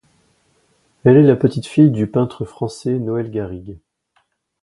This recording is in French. Elle est la petite-fille du peintre français Noël Garrigues.